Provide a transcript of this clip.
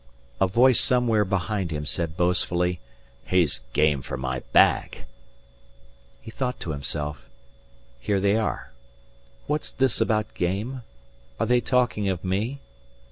A voice somewhere behind him said boastfully, "He's game for my bag." He thought to himself, "Here they are. What's this about game? Are they talking of me?"